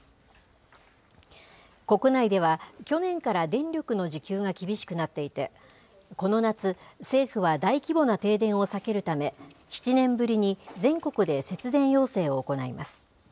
国内では、去年から電力の需給が厳しくなっていて、この夏、政府は大規模な停電を避けるため、７年ぶりに全国で節電要請を行います。